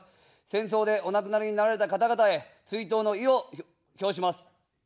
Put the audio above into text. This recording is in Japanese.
戦争でお亡くなりになられた方々へ追悼の意を表します。